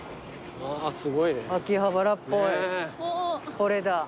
これだ。